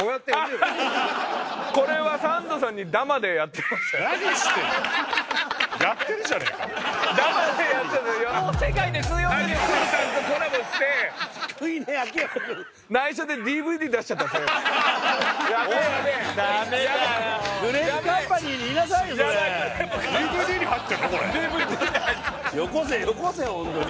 よこせよこせホントに。